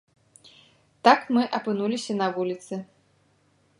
Так мы апынуліся на вуліцы.